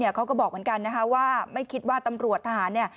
เขาก็บอกเหมือนกันว่าไม่คิดว่าตำรวจทหาร